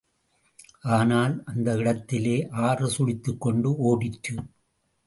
ஆனால், அந்த இடத்திலே ஆறு சுழித்துக்கொண்டு ஓடிற்று.